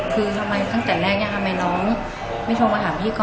คือทั้งแต่แรกยังทำไมน้องไม่โทรมาหาพี่